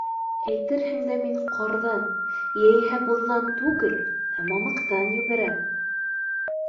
Әйтерһең дә, мин ҡарҙан йәиһә боҙҙан түгел, ә мамыҡтан йүгерәм.